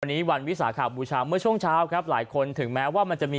วันนี้วันวิสาขบูชาเมื่อช่วงเช้าครับหลายคนถึงแม้ว่ามันจะมี